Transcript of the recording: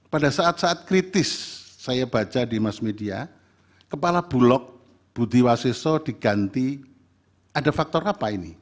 pada saat saat kritis saya baca di mass media kepala bulog budi waseso diganti ada faktor apa ini